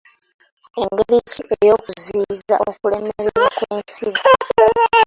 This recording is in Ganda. Engeri ki ey'okuziiyiza okulemererwa kw'ensigo.